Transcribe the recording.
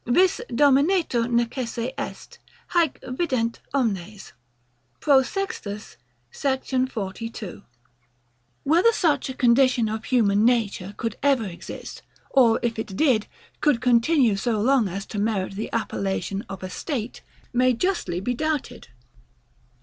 Vis dominetur necesse est. Haec vident omnes.' Pro Sext. sec. 42.] Whether such a condition of human nature could ever exist, or if it did, could continue so long as to merit the appellation of a STATE, may justly be doubted.